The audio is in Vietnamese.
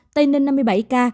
tây ninh năm mươi bảy ca